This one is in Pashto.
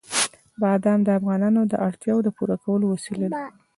بادام د افغانانو د اړتیاوو د پوره کولو وسیله ده.